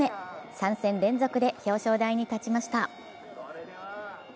３戦連続で表彰台に立ちました。